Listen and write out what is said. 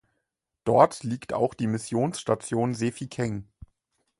Dort liegt auch die Missionsstation Sefikeng.